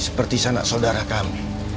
seperti sanak saudara kami